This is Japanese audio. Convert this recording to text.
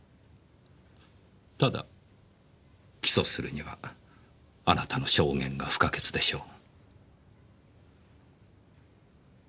ただ起訴するにはあなたの証言が不可欠でしょう。